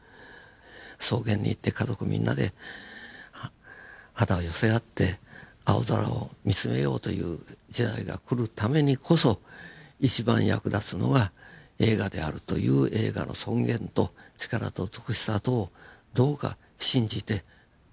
草原に行って家族みんなで肌を寄せ合って青空を見つめようという時代が来るためにこそ一番役立つのは映画であるという映画の尊厳と力と美しさとをどうか信じて。